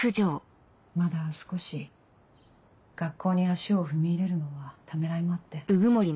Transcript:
まだ少し学校に足を踏み入れるのはためらいもあって。